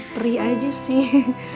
perih aja sih